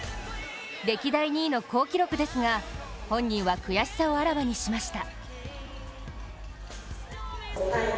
歴代２位の好記録ですが本人は悔しさをあらわにしました。